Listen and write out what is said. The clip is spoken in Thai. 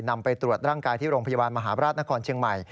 นำไปตรวจร่างกายที่โรงพยาบาลมหาบราชนครเชียงใหม่